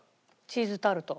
チーズタルト。